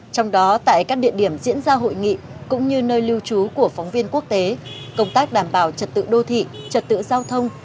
trong đó tại các địa điểm diễn ra hội nghị cũng như nơi lưu trú của phóng viên quốc tế công tác đảm bảo trật tự đô thị trật tự giao thông